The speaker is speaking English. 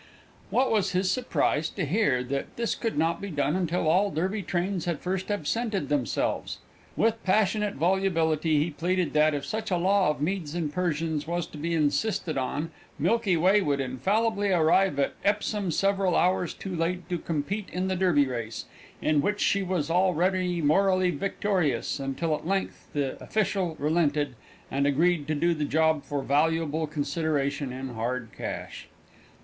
What was his surprise to hear that this could not be done until all Derby trains had first absented themselves! With passionate volubility he pleaded that, if such a law of Medes and Persians was to be insisted on, Milky Way would infallibly arrive at Epsom several hours too late to compete in the Derby race, in which she was already morally victorious until at length the official relented, and agreed to do the job for valuable consideration in hard cash.